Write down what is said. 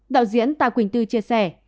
đạo diễn tạ quỳnh tư chia sẻ